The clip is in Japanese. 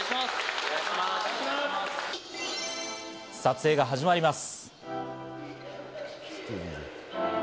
撮影が始まります。